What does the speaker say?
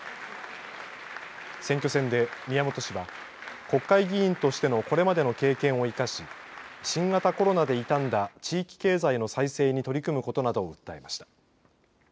選挙戦で宮本氏は国会議員としてのこれまでの経験を生かし新型コロナで傷んだ地域経済の再生に取り組むことなどを訴えました。